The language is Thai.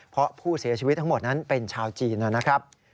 เพราะผู้เสียชีวิตทั้งหมดนั้นเป็นชาวจีนนะครับ